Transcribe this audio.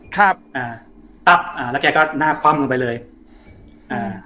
ครับอ่าตับอ่าแล้วแกก็หน้าคว่ำลงไปเลยอ่า